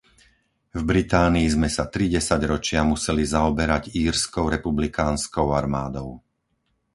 V Británii sme sa tri desaťročia museli zaoberať Írskou republikánskou armádou.